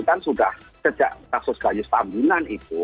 kan sudah sejak kasus gajus pambinan itu